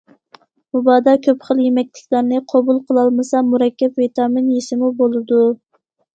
مۇبادا كۆپ خىل يېمەكلىكلەرنى قوبۇل قىلالمىسا مۇرەككەپ ۋىتامىن يېسىمۇ بولىدۇ.